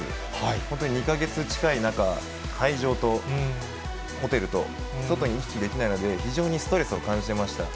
本当に２か月近い中、会場とホテルと、外に行き来できないので、非常にストレスを感じてました。